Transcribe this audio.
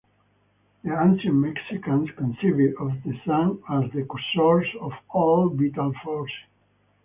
The ancient Mexicans conceived of the sun as the source of all vital force.